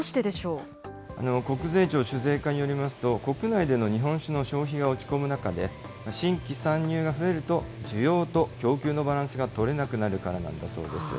国税庁酒税課によりますと、国内での日本酒の消費が落ち込む中で、新規参入が増えると、需要と供給のバランスが取れなくなるからなんだそうです。